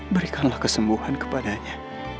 berikanlah kesembuhan kepadanya